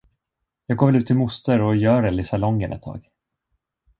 Jag går väl ut till moster och Görel i salongen ett tag.